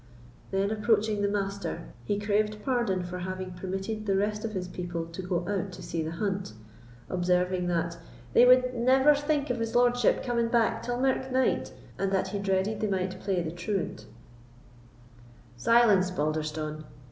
Then approaching the Master, he craved pardon for having permitted the rest of his people to go out to see the hunt, observing, that "They wad never think of his lordship coming back till mirk night, and that he dreaded they might play the truant." "Silence, Balderstone!"